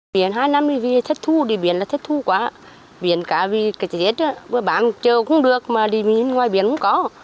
biển hai năm thì vì thất thu đi biển là thất thu quá biển cả vì cái chết bán châu cũng được mà đi ngoài biển cũng có